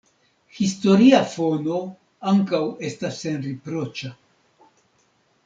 Historia fono ankaŭ estas senriproĉa.